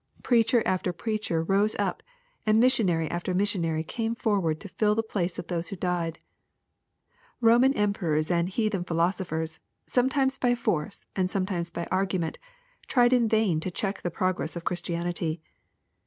Preacher after preacher rose up, and missionary after missionary came forward to fill the place of those who died, Roman emperors and heathen philosophers, sometimes by force and sometimes by argument, tried in vain to check the progress of Christianity.